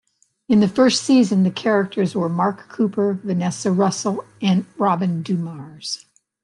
In the first season, the characters were Mark Cooper, Vanessa Russell, and Robin Dumars.